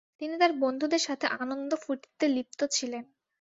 তিনি তার বন্ধুদের সাথে আনন্দ ফুর্তিতে লিপ্ত ছিলেন।